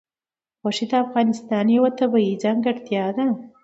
غوښې د افغانستان یوه طبیعي ځانګړتیا ده.